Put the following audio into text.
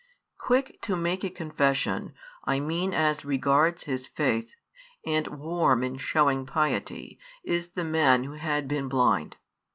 Quick to make a confession, I mean as regards his faith, and warm in shewing piety, is the man who had been blind.